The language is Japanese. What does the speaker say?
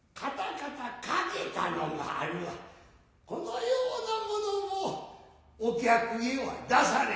このようなものをお客へは出されまい。